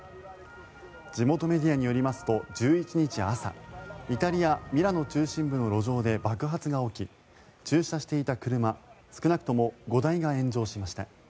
地元メディアによりますと１１日朝イタリア・ミラノ中心部の路上で爆発が起き駐車していた車少なくとも５台が炎上しました。